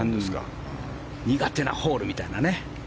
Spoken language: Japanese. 苦手なホールみたいなね。